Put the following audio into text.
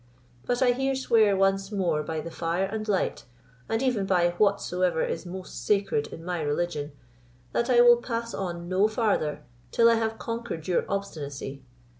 But I here swear once more by the fire and light, and even by whatsoever is most sacred in my religion, that I will pass on no farther till I have conquered your obstinacy.